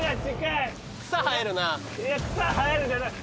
いや「草生える」じゃない！